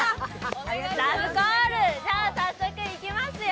ラブコール、じゃ早速いきますよ。